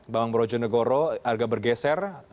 bang brojo negoro agak bergeser